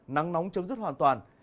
nắng nóng chấm dứt hoàn toàn